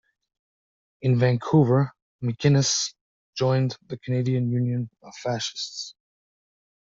In Vancouver, MacInnes joined the Canadian Union of Fascists.